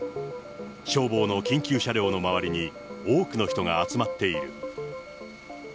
消防の緊急車両の周りに多くの人が集まっている。